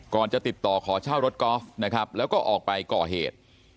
จะติดต่อขอเช่ารถกอล์ฟนะครับแล้วก็ออกไปก่อเหตุ